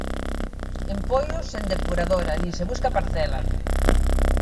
En Poio, sen depuradora, nin se busca parcela.